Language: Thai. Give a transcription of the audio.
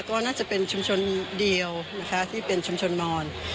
ก็น่าจะเป็นชุมชนเดียวนะคะที่เป็นชุมชนมอน